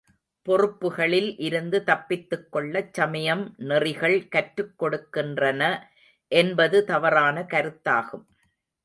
பொறுப்புகளில் இருந்து தப்பித்துக்கொள்ளச் சமயம் நெறிகள் கற்றுக் கொடுக்கின்றன என்பது தவறான கருத்தாகும்.